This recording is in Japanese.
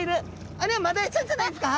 あれはマダイちゃんじゃないですか？